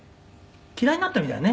嫌いになったみたいね」